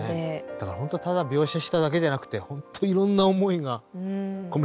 だから本当ただ描写しただけじゃなくて本当いろんな思いが込められてねっ。